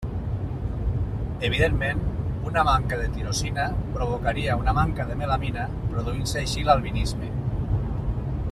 Evidentment, una manca de tirosina provocaria una manca de melanina, produint-se així l'albinisme.